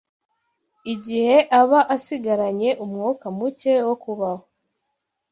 igihe aba asigaranye umwuka muke wo kubaho